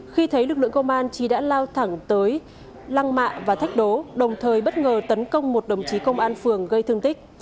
khi thấy lực lượng công an trí đã lao thẳng tới lăng mạ và thách đố đồng thời bất ngờ tấn công một đồng chí công an phường gây thương tích